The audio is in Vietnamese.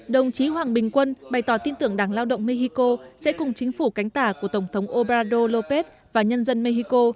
đồng chí hoàng bình quân bày tỏ tin tưởng đảng lao động mexico sẽ cùng chính phủ cánh tả của tổng thống obrador lópez và nhân dân mexico